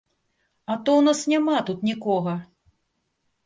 А то ў нас няма тут нікога!